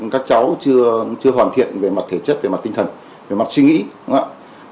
các cháu chưa hoàn thiện về mặt thể chất về mặt tinh thần về mặt suy nghĩ đúng không ạ